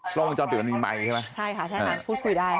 กล้องวงจรปิดเป็นมไดใช่ไหมใช่ค่ะใช้ถ้างั้นพูดพูดได้